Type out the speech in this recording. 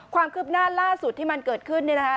ความคืบหน้าล่าสุดที่มันเกิดขึ้น